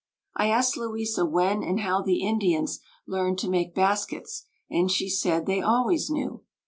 I asked Louisa when and how the Indians learned to make baskets and she said they always knew.